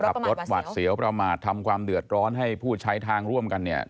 ขับรถหวาดเสียวประมาททำความเดือดร้อนให้ผู้ใช้ทางร่วมกันเนี่ย